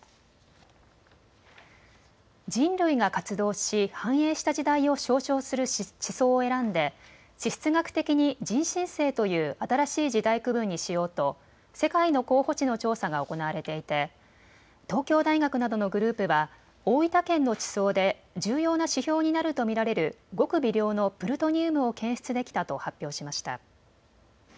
人類が活動し繁栄した時代を象徴する地層を選んで地質学的に人新世という新しい時代区分にしようと世界の候補地の調査が行われていて東京大学などのグループは大分県の地層で重要な指標になると見られるごく微量のプルトニウムを検出できたと発表しました。